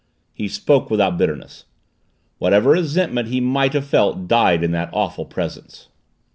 He spoke without bitterness. Whatever resentment he might have felt died in that awful presence.